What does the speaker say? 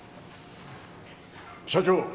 社長。